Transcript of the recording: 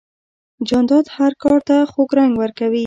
جانداد هر کار ته خوږ رنګ ورکوي.